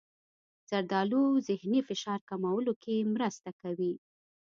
زردالو د ذهني فشار کمولو کې مرسته کوي.